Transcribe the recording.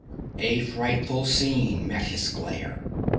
A frightful scene met his glare.